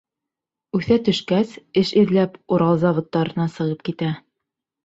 Үҫә төшкәс, эш эҙләп Урал заводтарына сығып китә.